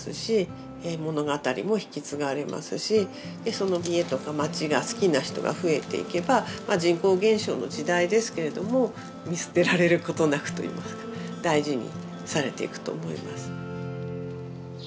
その家とか街が好きな人が増えていけば人口減少の時代ですけれども見捨てられることなくといいますか大事にされていくと思います。